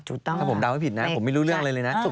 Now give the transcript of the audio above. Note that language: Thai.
ถูกต้องค่ะถ้าผมเดาให้ผิดนะผมไม่รู้เรื่องเลยนะ